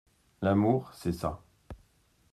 L'amour, c'est ça.